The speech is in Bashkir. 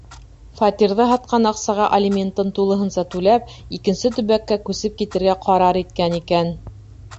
Фатирҙы һатҡан аҡсаға алиментын тулыһынса түләп, икенсе төбәккә күсеп китергә ҡарар иткән икән.